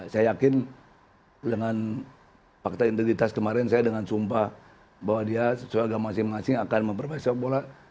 saya yakin dengan fakta integritas kemarin saya dengan sumpah bahwa dia sesuai agama masing masing akan memperbaiki sepak bola